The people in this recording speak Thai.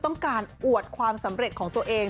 ต้องการอวดความสำเร็จของตัวเอง